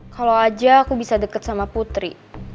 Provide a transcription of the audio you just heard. kalau aja aku bisa deket sama putri